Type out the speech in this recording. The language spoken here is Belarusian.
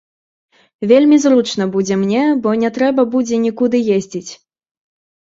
Вельмі зручна будзе мне, бо не трэба будзе нікуды ездзіць.